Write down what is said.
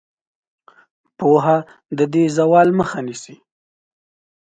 پوهه د دې زوال مخه نیسي.